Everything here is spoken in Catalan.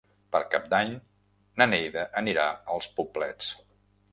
Per Cap d'Any na Neida anirà als Poblets.